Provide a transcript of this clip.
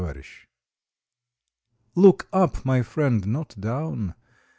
T OOK up, my friend, not down!